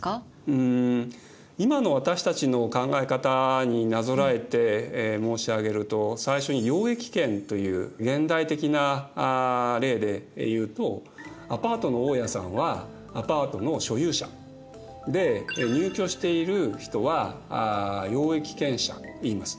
うん今の私たちの考え方になぞらえて申し上げると最初に用益権という現代的な例で言うとアパートの大家さんはアパートの所有者。で入居している人は用益権者といいます。